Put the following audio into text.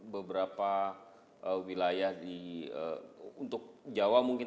beberapa wilayah untuk jawa mungkin